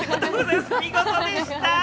見事でした。